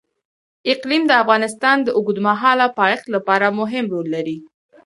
اقلیم د افغانستان د اوږدمهاله پایښت لپاره مهم رول لري.